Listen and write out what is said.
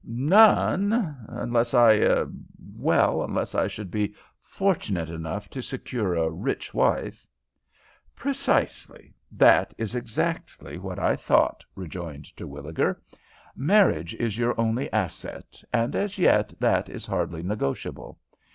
"None unless I er well, unless I should be fortunate enough to secure a rich wife." "Precisely; that is exactly what I thought," rejoined Terwilliger. "Marriage is your only asset, and as yet that is hardly negotiable.